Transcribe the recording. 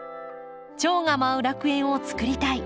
チョウが舞う楽園を作りたい。